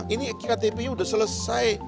ini ktp nya sudah selesai